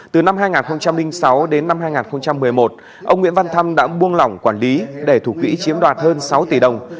từ năm hai nghìn sáu đến năm hai nghìn một mươi một ông nguyễn văn thăm đã buông lỏng quản lý để thủ quỹ chiếm đoạt hơn sáu tỷ đồng